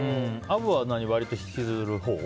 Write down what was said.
アブは割と引きずるほう？